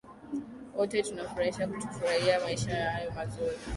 ote tunafurahisha tunafurahia maisha hayo mazuri